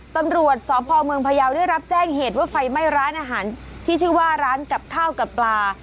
ตำรวจสพเมืองพยาวได้รับแจ้งเหตุว่าไฟไหม้ร้านอาหารที่ชื่อว่าร้านกับข้าวกับปลา